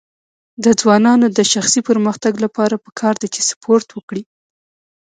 د ځوانانو د شخصي پرمختګ لپاره پکار ده چې سپورټ وکړي.